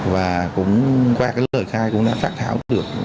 và cũng qua lời khai cũng đã phát thảo được